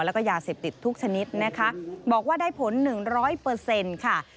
แล้วก็ยาเสพติดทุกชนิดบอกว่าได้ผล๑๐๐เปอร์เซ็นต์